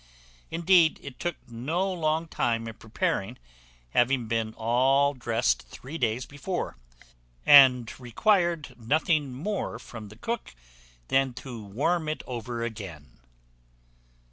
Indeed, it took no long time in preparing, having been all drest three days before, and required nothing more from the cook than to warm it over again.